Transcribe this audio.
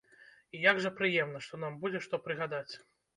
І як жа прыемна, што нам будзе што прыгадаць.